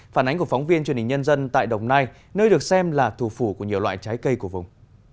phản ánh của phóng viên truyền hình nhân dân tại đồng nai nơi được xem là thủ phủ của nhiều loại trái cây của vùng